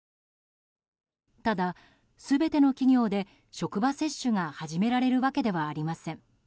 ただ、全ての企業で職場接種が始められるわけではありません。